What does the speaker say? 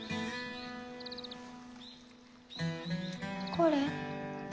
これ。